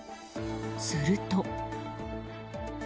すると。